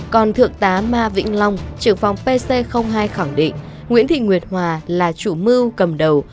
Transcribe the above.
còn thượng tá ma vĩnh long trưởng phòng pc hai khẳng định nguyễn thị nguyệt hòa là chủ mưu cầm đầu